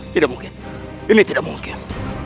tidak mungkin ini tidak mungkin